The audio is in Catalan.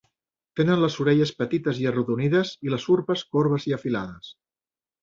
Tenen les orelles petites i arrodonides i les urpes corbes i afilades.